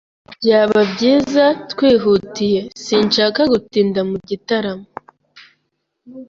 Byaba byiza twihutiye. Sinshaka gutinda mu gitaramo.